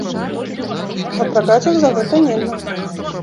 Папракаць іх за гэта нельга.